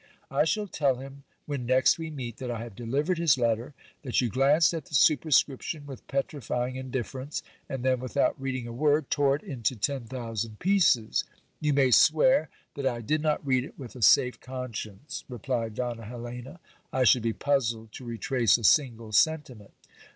I shall tell him, when next we meet, that I have delivered his letter, that you glanced at the superscription with petrifying indifference, and then, without reading a word, tore it into ten thousand pieces. You may swear that I did not read it with a safe conscience, replied Donna Helena. I should be puzzled to retrace a single sentiment.